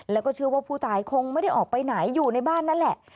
แล้วก็เชื่อว่าผู้ตายคงไม่ได้ออกไปไหนอยู่ในบ้านนั่นแหละ